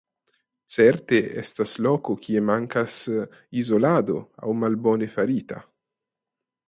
Certe estas loko kie mankas izolado aŭ malbone farita.